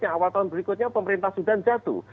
awal tahun berikutnya pemerintah sudan jatuh